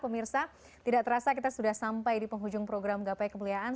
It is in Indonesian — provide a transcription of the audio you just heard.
pemirsa tidak terasa kita sudah sampai di penghujung program gapai kemuliaan